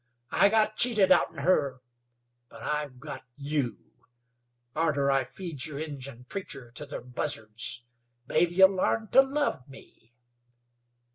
I got cheated outen her, but I've got you; arter I feed yer Injun preacher to ther buzzards mebbe ye'll larn to love me."